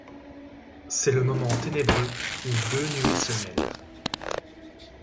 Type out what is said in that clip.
C'est le moment ténébreux où deux nuées se mêlent.